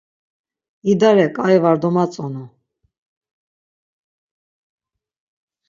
İdare ǩai var domatzonu.